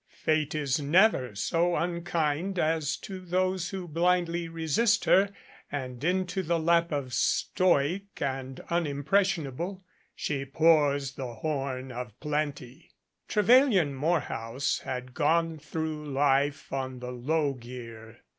Fate is never so unkind as to those who blindly resist her and into the lap of stoic and unimpressionable she pours the horn of plenty. Trevelyan Morehouse had gone through life on the low gear.